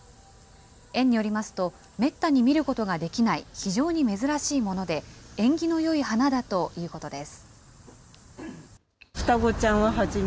園によりますと、めったに見ることができない非常に珍しいもので、縁起のよい花だということです。